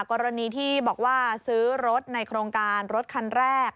กรณีที่บอกว่าซื้อรถในโครงการรถคันแรก